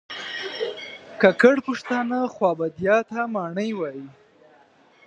کاکړ پښتانه خوابدیا ته ماڼی وایي